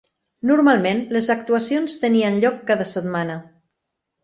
Normalment, les actuacions tenien lloc cada setmana.